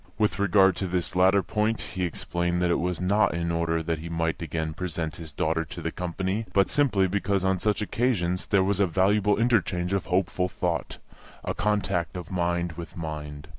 With regard to this latter point he explained that it was not in order that he might again present his daughter to the company, but simply because on such occasions there was a valuable interchange of hopeful thought, a contact of mind with mind.